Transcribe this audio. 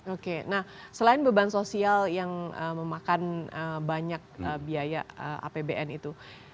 oke nah selain beban sosial yang memakan banyak biaya apbn itu